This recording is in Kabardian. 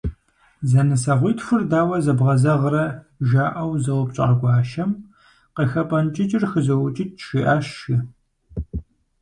«Зэнысэгъуитхур дауэ зэбгъэзэгърэ?» - жаӏэу зэупщӏа гуащэм, «Къыхэпӏэнкӏыкӏыр хызоукӏыкӏ» - жиӏащ, жи.